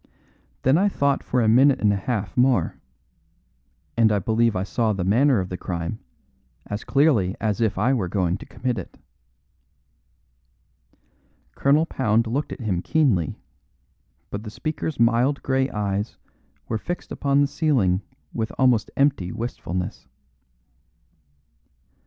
Then I thought for a minute and a half more. And I believe I saw the manner of the crime, as clearly as if I were going to commit it." Colonel Pound looked at him keenly, but the speaker's mild grey eyes were fixed upon the ceiling with almost empty wistfulness.